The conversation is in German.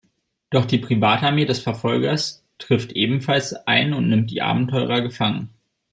Doch die Privatarmee des Verfolgers trifft ebenfalls ein und nimmt die Abenteurer gefangen.